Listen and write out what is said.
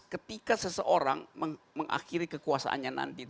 ketika seseorang mengakhiri kekuasaannya nanti